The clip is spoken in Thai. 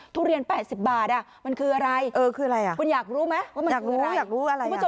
ทุเรียน๘๐บาทมันคืออะไร